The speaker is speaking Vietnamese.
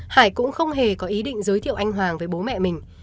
hải cũng không hề có ý định giới thiệu anh hoàng với bố mẹ mình